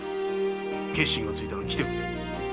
決心がついたら来てくれ。